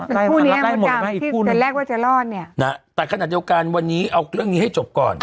แต่แรกว่าจะรอดเนี้ยน่ะแต่ขณะเดี๋ยวกันวันนี้เอาเรื่องนี้ให้จบก่อน